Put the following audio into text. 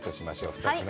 ２つ目。